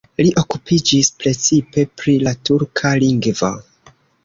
Li okupiĝis precipe pri la turka lingvo.